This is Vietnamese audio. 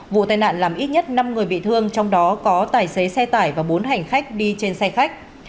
vụ tai nạn làm ít nhất năm người bị thương trong đó có tài xế xe tải và bốn hành khách đi trên xe khách